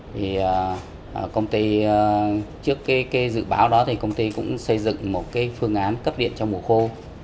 thì công ty trước cái dự báo đó thì công ty cũng xây dựng một cái phương án cấp điện cho mùa khô